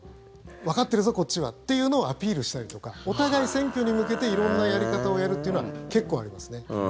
わかってるぞ、こっちはっていうのをアピールしたりとかお互い選挙に向けて色んなやり方をやるっていうのは結構ありますね。